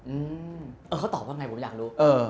อืมเขาตอบว่าไงผมอยากรู้